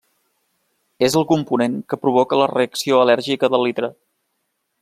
És el component que provoca la reacció al·lèrgica del litre.